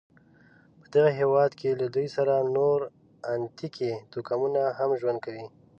په دغه هېواد کې له دوی سره نور اتنیکي توکمونه هم ژوند کوي.